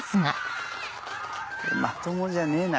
まともじゃねえな